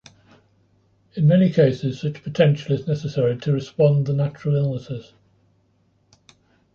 In many cases such potential is necessary to respond the natural illnesses.